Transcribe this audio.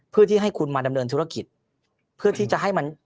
เพื่อที่ให้คุณมาดำเนินธุรกิจเพื่อที่จะให้มัน